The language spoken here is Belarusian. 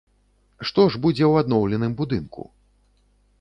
Што ж будзе ў адноўленым будынку?